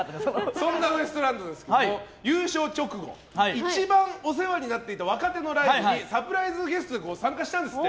そんなウエストランドですが優勝直後一番お世話になっていた若手のライブにサプライズゲストで参加したんですって。